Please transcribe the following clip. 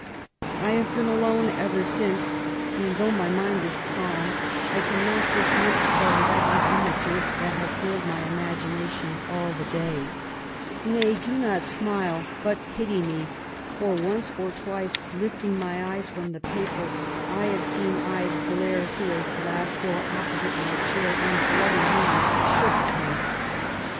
I have been alone ever since ; and though my mind is calm, I cannot dlamifiCL the lively images that have filled my iixi8Lgm»AAOTi«X!L^<^^v^. ^<d^< 116 MABY W0LL8T0NECBAFT GODWIN. 4e not smile, but pity me, for, once or twice, liftiog my eyes from the paper, I have seen eyes glare throngh a glass door opposite my chsir, and bloody hands shook at me.